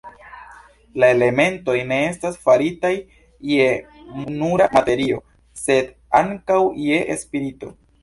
La elementoj ne estas faritaj je nura materio, sed ankaŭ je spirito.